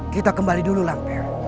kita kembali dulu lampir